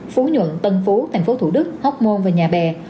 phú nhuận tân phú tp thủ đức hóc môn và nhà bè